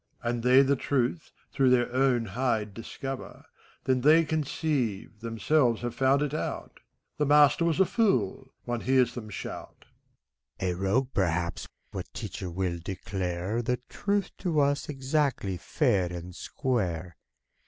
And tbey the truth through their own hide discover, Then they conceive, themselves have found it out : "The master was a fool !" one hears them shout. BACCALAUREUS. A rogue, perhaps! What teacher will declare The truth to us, exactly fair and square?